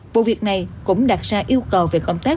vụ việc này cũng đặt ra yêu cầu về công tác